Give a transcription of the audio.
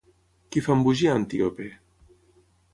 Qui fa embogir Antíope?